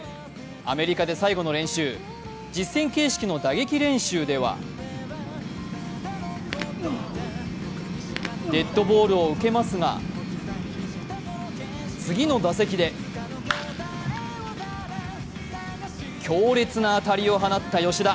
アメリカで最後の練習、実戦形式の打撃練習ではデッドボールを受けますが、次の打席で強烈な当たりを放った吉田。